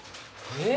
えっ！